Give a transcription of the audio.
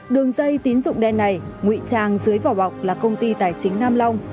đường dây tín dụng đen này ngụy trang dưới vỏ bọc là công ty tài chính nam long